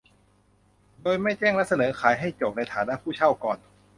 โดยไม่แจ้งและเสนอขายให้โจทก์ในฐานะผู้เช่าก่อน